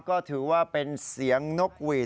ก็ถือว่าเป็นเสียงนกหวีด